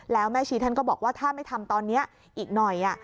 แล้วแม่ชีท่านก็บอกว่าถ้าไม่ทำตอนนี้อีกหน่อย